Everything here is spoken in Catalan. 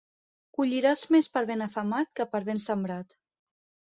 Colliràs més per ben afemat que per ben sembrat.